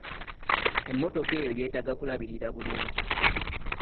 Emmotoka eyo yeetaaga kulabirira bulungi.